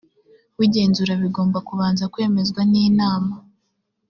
w igenzura bigomba kubanza kwemezwa n inama